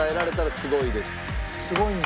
すごいんだ。